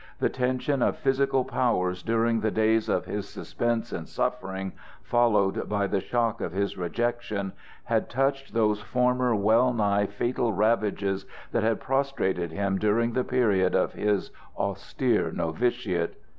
The tension of physical powers during the days of his suspense and suffering, followed by the shock of his rejection, had touched those former well nigh fatal ravages that had prostrated him during the period of his austere novitiate.